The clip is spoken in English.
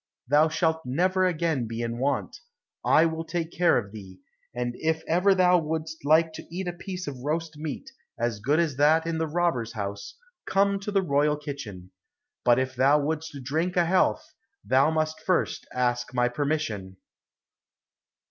Thou shalt never again be in want, I will take care of thee. And if ever thou wouldst like to eat a piece of roast meat, as good as that in the robber's house, come to the royal kitchen. But if thou wouldst drink a health, thou must first ask my permission."